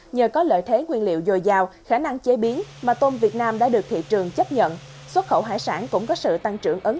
nhờ có lợi thế nguyên liệu dồi dào khả năng chế biến mà tôm việt nam đã được thị trường chấp nhận xuất khẩu hải sản cũng có sự tăng trưởng ấn tượng